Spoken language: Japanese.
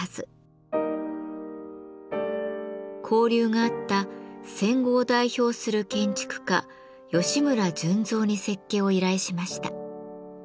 交流があった戦後を代表する建築家吉村順三に設計を依頼しました。